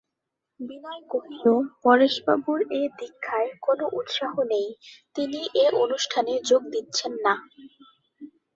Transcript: বিনয় কহিল, পরেশবাবুর এ দীক্ষায় কোনো উৎসাহ নেই–তিনি এ অনুষ্ঠানে যোগ দিচ্ছেন না।